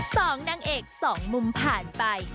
สองนางเอกสองมุมผ่านไป